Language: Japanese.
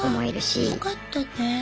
あよかったね。